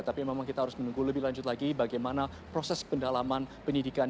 tapi memang kita harus menunggu lebih lanjut lagi bagaimana proses pendalaman penyidikan